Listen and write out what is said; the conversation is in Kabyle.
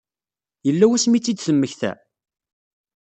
Yella wasmi i tt-id-temmekta?